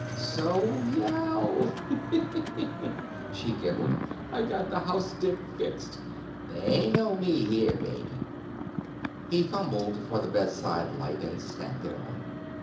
"So yell," she giggled. "I got the house dick fixed. They know me here, baby——" He fumbled for the bedside light and snapped it on.